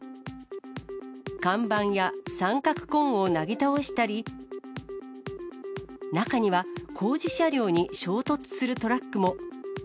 看板や三角コーンをなぎ倒したり、中には、工事車両に衝突するトラックも。